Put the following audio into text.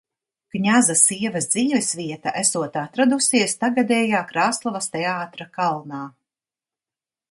Kņaza sievas dzīvesvieta esot atradusies tagadējā Krāslavas Teātra kalnā.